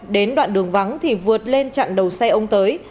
đến đoạn đường vắng thì vượt lên chặn đầu xe ông tới